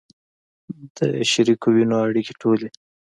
د شریکو وینو اړیکې ټولې